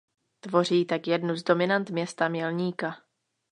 Tvoří tak jednu z dominant města Mělníka.